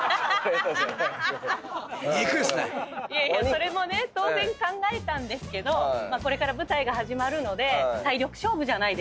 それもね当然考えたんですけどこれから舞台が始まるので体力勝負じゃないですか。